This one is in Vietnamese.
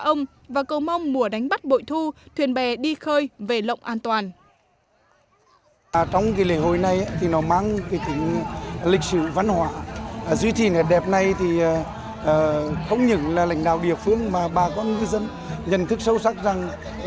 ông và cầu mong mùa đánh bắt bội thu thuyền bè đi khơi về lộng an toàn